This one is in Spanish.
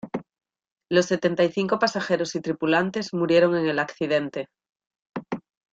Los setenta y cinco pasajeros y tripulantes murieron en el accidente.